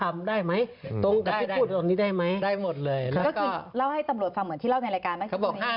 ไม่ยืมเงินมันมีโผล่